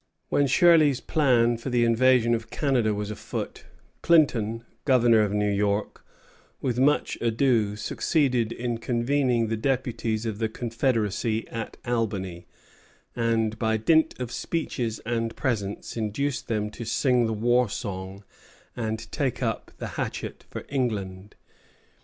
When Shirley's plan for the invasion of Canada was afoot, Clinton, governor of New York, with much ado succeeded in convening the deputies of the confederacy at Albany, and by dint of speeches and presents induced them to sing the war song and take up the hatchet for England.